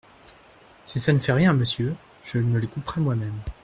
Si ça ne fait rien à Monsieur, je me les couperai moi-même…